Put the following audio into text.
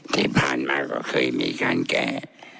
ที่ผ่านมาก็เคยมีการแก้